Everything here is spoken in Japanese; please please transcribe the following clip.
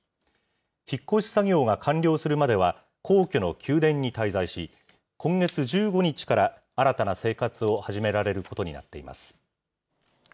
引っ越し作業が完了するまでは皇居の宮殿に滞在し、今月１５日から新たな生活を始められることになっています。